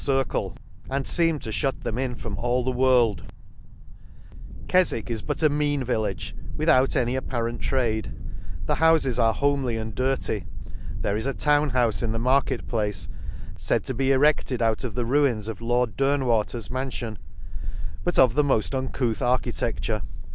107 circle, and feemed to (hut them in from all the world* — Keswick is but a mean village, without any apparent trade ;— the houfes are homely and dirty ;— there is a town houfe in the market place, faid to be e redfced out of the ruins of Lord Darn * water's manfion, hut of the mod uncouth architedlvjLre.